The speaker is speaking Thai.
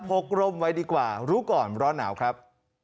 กรมไว้ดีกว่ารู้ก่อนร้อนหนาวครับ